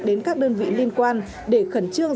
đến các đơn vị liên quan để khẩn trương